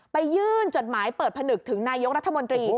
ไปยื่นจดหมายเปิดผนึกถึงนายกรัฐมนตรี